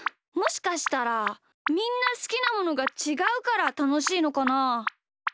もしかしたらみんなすきなものがちがうからたのしいのかな？